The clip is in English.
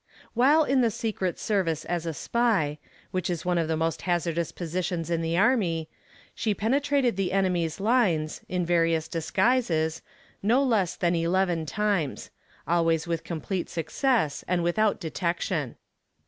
While in the "Secret Service" as a "Spy," which is one of the most hazardous positions in the army she penetrated the enemy's lines, in various disguises, no less than eleven times; always with complete success and without detection.